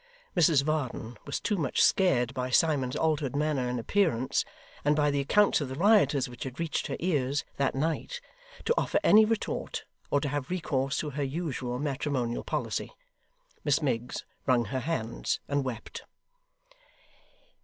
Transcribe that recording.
Mrs Varden was too much scared by Simon's altered manner and appearance, and by the accounts of the rioters which had reached her ears that night, to offer any retort, or to have recourse to her usual matrimonial policy. Miss Miggs wrung her hands, and wept.